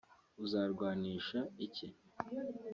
uzarwanisha iki